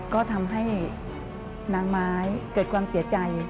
ก็ทำให้นางไม้เกิดความเสียใจ